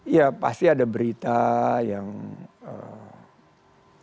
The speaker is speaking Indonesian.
ya pasti ada berita yang eee